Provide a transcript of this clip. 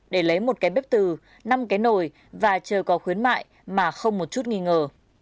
để lấy một cái bếp từ năm cái nồi và chờ có khuyến mại mà không một chút nghi ngờ